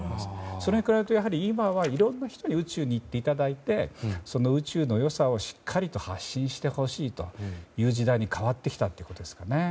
それに比べると今はいろんな人に宇宙に行っていただいて宇宙の良さをしっかりと発信してほしいという時代に変わってきたということですね。